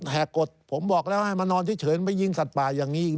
แห่กกดผมบอกแล้วให้มานอนที่เฉินไปยิงสัตว์ป่ายังงี้